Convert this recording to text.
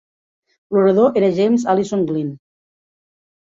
L'Orador era James Allison Glen.